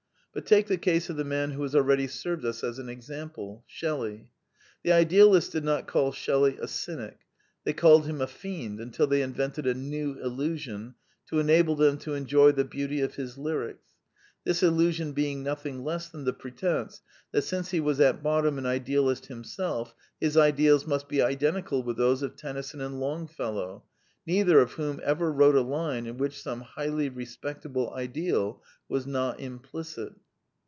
But take the case of the man who has already served us as an example: Shelley. The idealists did not call Shelley a cynic : they called him a fiend until they invented a new illusion to enable them to enjoy the beauty of his lyrics, thrs illusion being nothing less than the pretence that since he was at bottom an idealist himself, his ideals must be identical with those of Tennyson and Longfellow, neither of whom ever wrote a line in which some highly respectable ideal was not implicit.